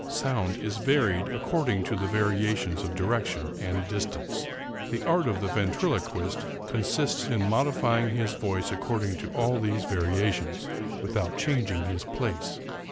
Sound is varied according to the variations of direction and distance. The art of the ventriloquist consists in modifying his voice according to all these variations, without changing his place.